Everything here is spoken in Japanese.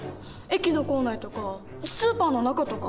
駅の構内とかスーパーの中とか。